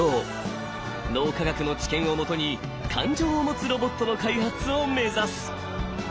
脳科学の知見をもとに感情を持つロボットの開発を目指す。